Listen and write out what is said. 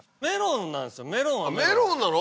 メロンなの？